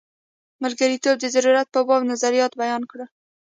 ملګرتوب د ضرورت په باب نظریات بیان کړل.